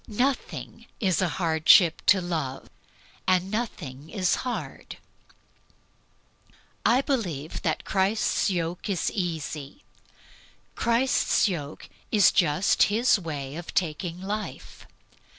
Nothing is a hardship to Love, and nothing is hard. I believe that Christ's "yoke" is easy. Christ's yoke is just His way of taking life.